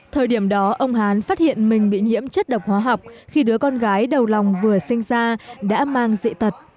thời điểm đó ông hán phát hiện mình bị nhiễm chất độc hóa học khi đứa con gái đầu lòng vừa sinh ra đã mang dị tật